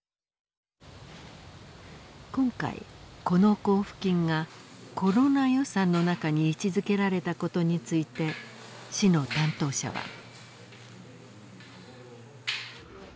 今回この交付金がコロナ予算の中に位置づけられたことについて市の担当者は。